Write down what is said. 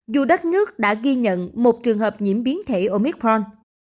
dù đất nước đã ghi nhận một trường hợp nhiễm biến thể omitrn